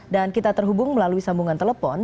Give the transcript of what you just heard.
dan kita terhubung melalui sambungan telepon